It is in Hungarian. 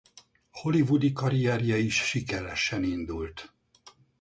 Hollywoodi karrierje is sikeresen indult.